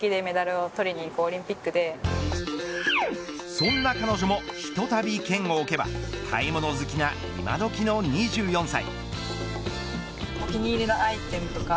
そんな彼女もひとたび剣を置けば買い物好きな今どきの２４歳。